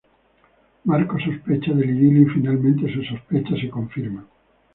Marco sospecha del idilio y finalmente sus sospechas se confirman.